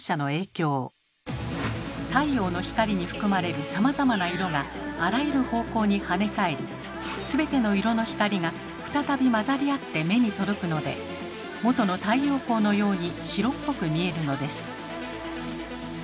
太陽の光に含まれるさまざまな色があらゆる方向にはね返り全ての色の光が再び混ざり合って目に届くのでもとの太陽光のように白っぽく見えるのです。